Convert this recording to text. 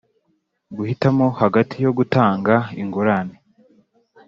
Guhitamo hagati yo gutanga ingurane